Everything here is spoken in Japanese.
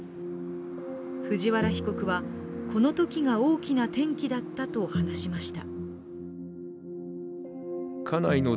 藤原被告は、このときが大きな転機だったと話しました。